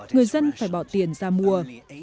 người dân phải bỏ tiền ra mua